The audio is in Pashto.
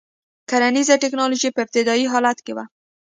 کرنیزه ټکنالوژي په ابتدايي حالت کې وه.